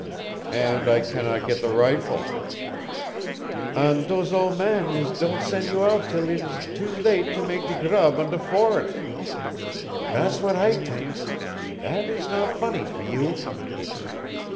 "And I cannot get the rifle." "An' dose ole man is don' sen' you out till eet is too late for mak' de grub on de fores'. Dat's w'at I t'ink. Dat ees not fonny for you."